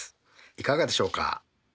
いかがでしょうか？